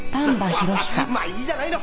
まあいいじゃないの。